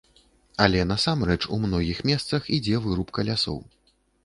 Але насамрэч у многіх месцах ідзе вырубка лясоў.